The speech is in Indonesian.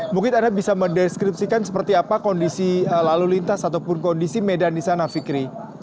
mungkin anda bisa mendeskripsikan seperti apa kondisi lalu lintas ataupun kondisi medan di sana fikri